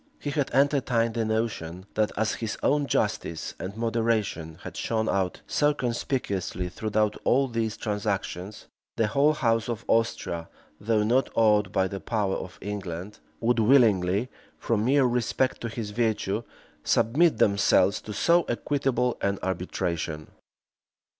He had entertained the notion, that, as his own justice and moderation had shone out so conspicuously throughout all these transactions, the whole house of Austria, though not awed by the power of England, would willingly, from mere respect to his virtue, submit themselves to so equitable an arbitration.